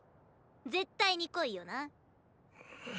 絶対に来いよな。